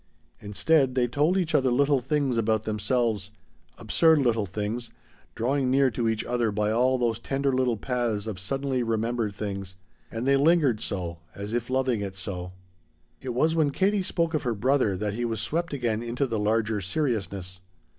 Instead, they told each other little things about themselves, absurd little things, drawing near to each other by all those tender little paths of suddenly remembered things. And they lingered so, as if loving it so. It was when Katie spoke of her brother that he was swept again into the larger seriousness.